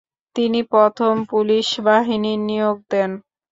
তিনি প্রথম পুলিশ বাহিনী নিয়োগ দেন।